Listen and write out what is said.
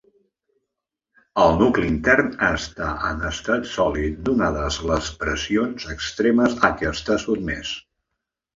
El nucli intern està en estat sòlid donades les pressions extremes a què està sotmès.